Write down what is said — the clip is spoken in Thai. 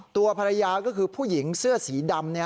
ตัวภรรยาก็คือผู้หญิงเสื้อสีดำ